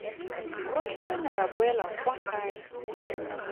Rotlhe re ne ra boela kwa gae.